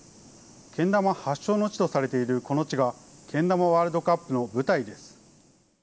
けん玉発祥の地とされているこの地が、けん玉ワールドカップの舞台です。